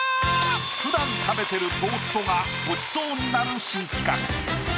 ふだん食べてるトーストがごちそうになる新企画。